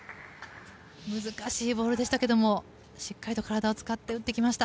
難しいボールでしたけどしっかりと体を使って打ってきました。